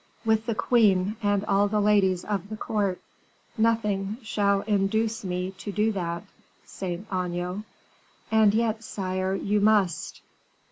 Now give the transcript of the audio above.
"With the queen and all the ladies of the court." "Nothing shall induce me to do that, Saint Aignan." "And yet, sire, you must."